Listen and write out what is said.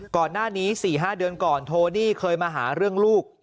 ก่อนหน้านี้๔๕เดือนก่อนโทนี่เคยมาหาเรื่องลูก